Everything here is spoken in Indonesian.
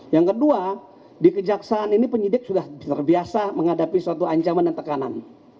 yang kedua di kejaksaan ini penyidik sudah terbiasa menghadapi suatu ancaman dan tekanan